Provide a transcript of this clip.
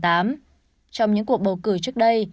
trong những cuộc bầu cử trước đây